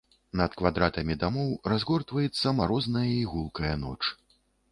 Над квадратамі дамоў разгортваецца марозная і гулкая ноч.